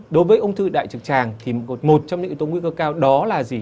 đối với ung thư đại trực tràng thì một trong những yếu tố nguy cơ cao đó là gì